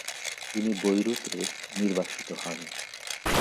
তিনি বৈরুতে নির্বাসিত হন।